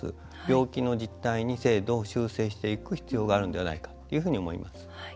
病気の実態に制度を修正していく必要があるのではないかというふうに思います。